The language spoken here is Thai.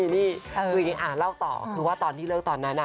นี่อ่ะเล่าต่อคือว่าตอนที่เลิกตอนนั้น